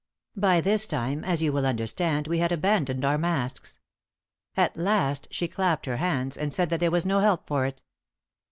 By this time, as you will understand, we had abandoned our masks. At last she clapped her hands, and said that there was no help for it."